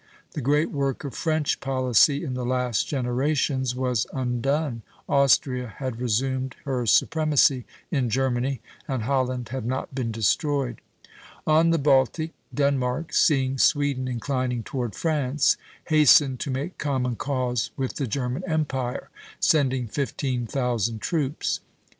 The great work of French policy in the last generations was undone, Austria had resumed her supremacy in Germany, and Holland had not been destroyed. On the Baltic, Denmark, seeing Sweden inclining toward France, hastened to make common cause with the German Empire, sending fifteen thousand troops.